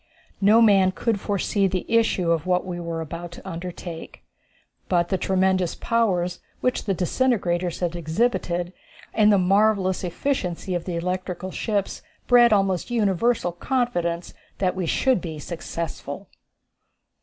No man could foresee the issue of what we were about to undertake, but the tremendous powers which the disintegrators had exhibited and the marvellous efficiency of the electrical ships bred almost universal confidence that we should be successful.